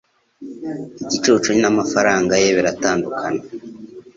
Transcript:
Igicucu n'amafaranga ye biratandukana